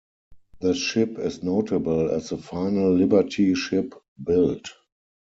The ship is notable as the final liberty ship built.